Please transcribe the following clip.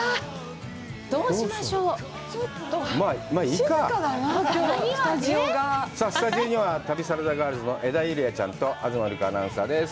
さあスタジオには旅サラダガールズの江田友莉亜ちゃんと東留伽アナウンサーです。